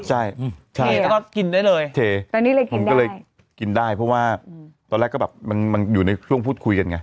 ใช่เทแล้วก็กินได้เลยตอนนี้เลยกินก็เลยกินได้เพราะว่าตอนแรกก็แบบมันอยู่ในช่วงพูดคุยกันไง